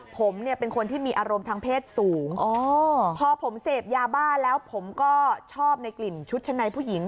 ผมเนี่ยเป็นคนที่มีอารมณ์ทางเพศสูงพอผมเสพยาบ้าแล้วผมก็ชอบในกลิ่นชุดชั้นในผู้หญิง